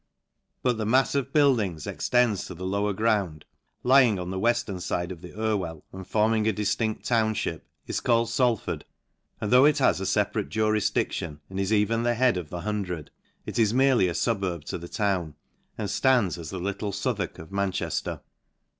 But the mafs of buildings extends to the lower ground, lying on the weftern fide of the Irweh \ and forming a diilinct. townfhip, is call ed Salford ; and though it has a feparate jurifdietion, and ]s even the head of the hundred, it is merely a fuburb to the town, and ftands as the little South ivark of Manchejler.